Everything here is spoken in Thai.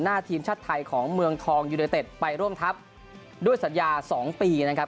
หน้าทีมชาติไทยของเมืองทองยูเนเต็ดไปร่วมทัพด้วยสัญญา๒ปีนะครับ